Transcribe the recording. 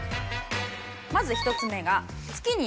まず１つ目が。